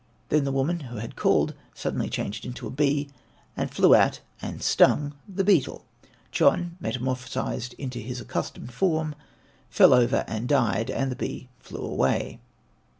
Then the woman who had called suddenly changed into a bee, and flew at and stung the beetle. Chon, metamorphosed into his accustomed form, fell over and died, and the bee flew away.